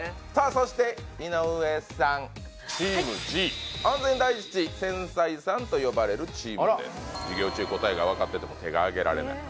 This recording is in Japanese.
そして井上さんチームＧ安全第一繊細さんと呼ばれるチームです授業中答えがわかってても手が挙げられない